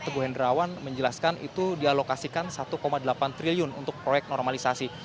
teguh hendrawan menjelaskan itu dialokasikan satu delapan triliun untuk proyek normalisasi